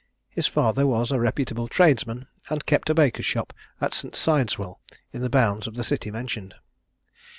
His father was a reputable tradesman, and kept a baker's shop at St. Sidwell's, in the bounds of the city mentioned.